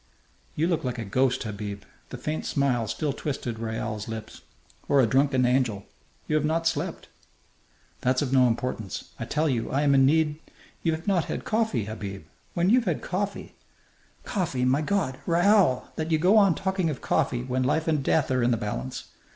"You look like a ghost, Habib." The faint smile still twisted Raoul's lips. "Or a drunken angel. You have not slept." "That's of no importance. I tell you I am in need " "You've not had coffee, Habib. When you've had coffee " "Coffee! My God! Raoul, that you go on talking of coffee when life and death are in the balance!